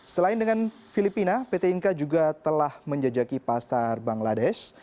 selain dengan filipina pt inka juga telah menjajaki pasar bangladesh